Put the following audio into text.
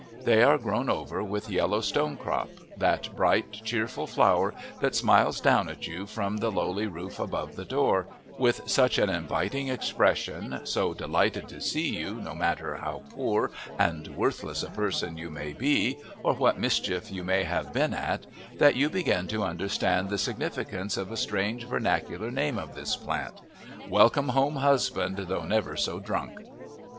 They are grown over with yellow stonecrop, that bright cheerful flower that smiles down at you from the lowly roof above the door, with such an inviting expression, so delighted to see you no matter how poor and worthless a person you may be or what mischief you may have been at, that you begin to understand the significance of a strange vernacular name of this plant Welcome home husband though never so drunk.